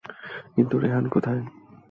কিন্তু, রেহান কোথায়?